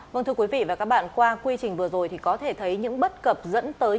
vâng thưa quý vị và các bạn qua quy trình vừa rồi thì có thể thấy những bất cập dẫn tới